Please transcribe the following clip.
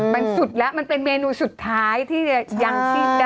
มันสุดแล้วมันเป็นเมนูสุดท้ายที่จะยังคิดได้